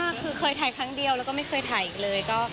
คือเคยถ่ายครั้งเดียวแล้วก็ไม่เคยถ่ายอีกเลย